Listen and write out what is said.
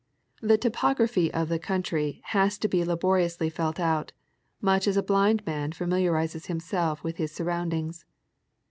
The topography of the country has to be laboriously felt out, much as a blind man familiarizes himself with his surroundings.